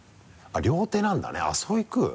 両手なんだねそういく？